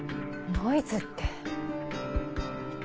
ノイズって。